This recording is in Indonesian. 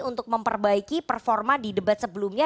untuk memperbaiki performa di debat sebelumnya